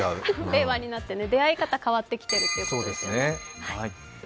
令和になって出会い方が変わってきているということです。